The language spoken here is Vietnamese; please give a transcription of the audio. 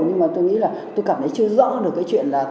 nhưng mà tôi nghĩ là tôi cảm thấy chưa rõ được cái chuyện là